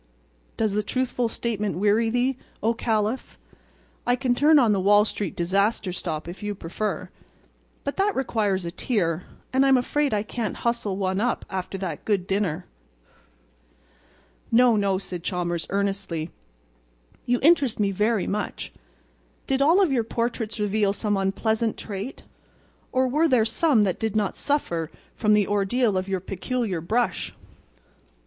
Does the truthful statement weary thee, O Caliph? I can turn on the Wall Street disaster stop if you prefer, but that requires a tear, and I'm afraid I can't hustle one up after that good dinner." "No, no," said Chalmers, earnestly, "you interest me very much. Did all of your portraits reveal some unpleasant trait, or were there some that did not suffer from the ordeal of your peculiar brush?"